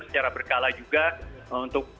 secara berkala juga untuk